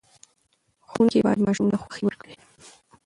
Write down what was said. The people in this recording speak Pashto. ښوونکي باید ماشوم ته خوښۍ ورکړي.